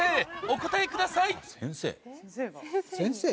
お答えください先生？